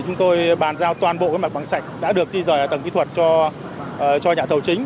chúng tôi bàn giao toàn bộ mặt bằng sạch đã được di rời ở tầng kỹ thuật cho nhà thầu chính